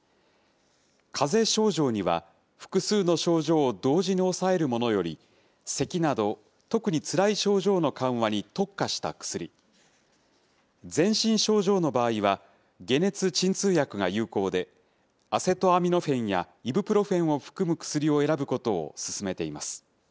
かぜ症状には、複数の症状を同時に抑えるものより、せきなど、特につらい症状の緩和に特化した薬、全身症状の場合は、解熱鎮痛薬が有効で、アセトアミノフェンやイブプロフェンを含む薬を選ぶことを勧めています。